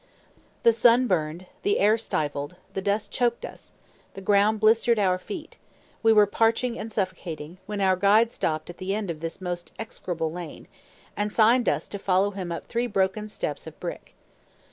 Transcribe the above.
The sun burned, the air stifled, the dust choked us, the ground blistered our feet; we were parching and suffocating, when our guide stopped at the end of this most execrable lane, and signed to us to follow him up three broken steps of brick.